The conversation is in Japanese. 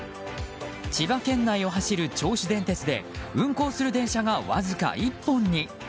千葉県内を走る銚子電鉄で運行する電車がわずか１本に。